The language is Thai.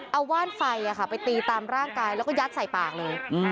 เอาว่านไฟไปตีตามร่างกายแล้วก็ยัดใส่ปากเลย